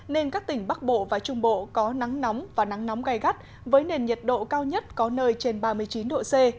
nên các tỉnh bắc bộ và trung bộ có nắng nóng và nắng nóng gai gắt với nền nhiệt độ cao nhất có nơi trên ba mươi chín độ c